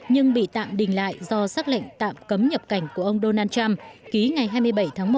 nhưng bị tạm đình lại do xác lệnh tạm cấm nhập cảnh của ông donald trump ký ngày hai mươi bảy tháng một